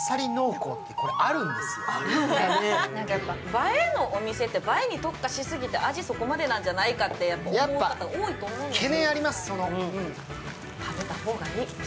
映えのお店って映えに特化しすぎて味、そこまでなんじゃないかって思う方多いと思うんですけど。